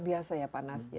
biasa ya panas ya